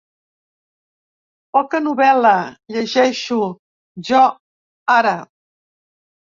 Poca novel·la, llegeixo, jo, ara.